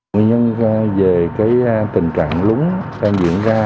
nguyên nhân về tình trạng lúng đang diễn ra